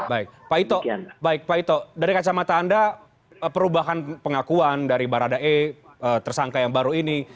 baik pak ito dari kacamata anda perubahan pengakuan dari baradae tersangka yang baru ini